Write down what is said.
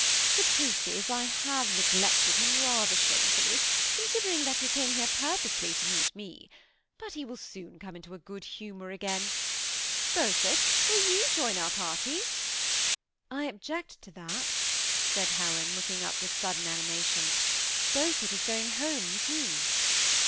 The truth is, I have neglected him rather shamefully, considering that he came here purposely to meet me ; but he will soon come into good humor again. Beaufort, will you joiii our party ?" THE SEMI ATTACBED COUPLE^ 213 /' I object to that,'! said Helen, looking up with sud • den animation. ^< Beaufort is gqing home with me."